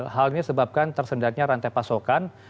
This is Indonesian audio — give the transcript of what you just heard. hal ini sebabkan tersendatnya rantai pasokan